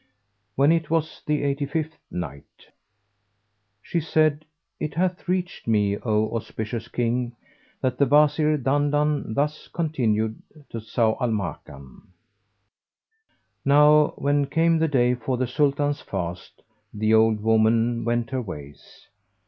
When it was the Eighty fifth Night, She said, It hath reached me, O auspicious King, that the Wazir Dandan thus continued to Zau al Makan, "Now when came the day for the Sultan's fast, the old woman went her ways.